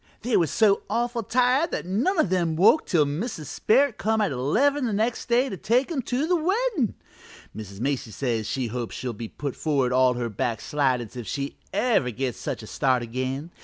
They was so awful tired that none of 'em woke till Mrs. Sperrit come at eleven next day to take 'em to the weddin'! Mrs. Macy says she hopes she'll be put forward all her back slidin's if she ever gets such a start again.